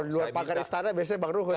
di luar pagar istana biasanya bang ruhut